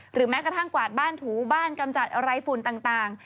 แม้กระทั่งกวาดบ้านถูบ้านกำจัดอะไรฝุ่นต่าง